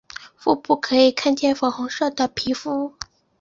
腹部可以看见粉红色的皮肤。